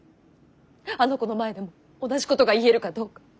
あの子の前でも同じことが言えるかどうか。